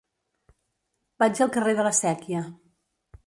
Vaig al carrer de la Sèquia.